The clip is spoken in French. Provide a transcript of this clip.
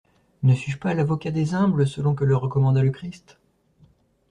Ne suis-je pas l'avocat des humbles selon que le recommanda le Christ?